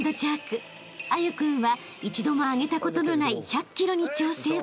［歩君は一度もあげたことのない１００ｋｇに挑戦］